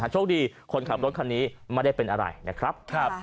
โชคดีคนขับรถคันนี้ไม่ได้เป็นอะไรนะครับ